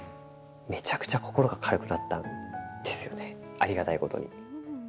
ありがたいことに。